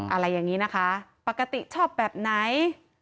อะไรอย่างนี้นะคะปกติชอบแบบไหน